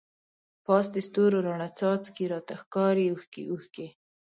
پاس دستورو راڼه څاڅکی، راته ښکاری اوښکی اوښکی